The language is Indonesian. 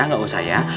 gak usah ya